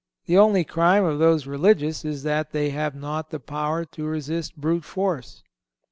The only crime of those religious is that they have not the power to resist brute force.